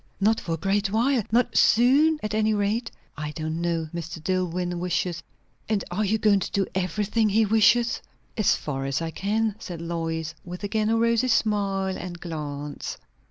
"Not for a great while? Not soon, at any rate?" "I don't know. Mr. Dillwyn wishes " "And are you going to do everything he wishes?" "As far as I can," said Lois, with again a rosy smile and glance.